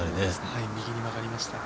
右に曲がりましたね